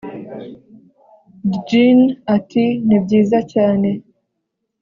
djinn ati: 'nibyiza cyane.'